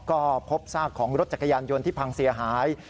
ก็พบซากของรถจักรยานยนต์ที่พังเสียหาย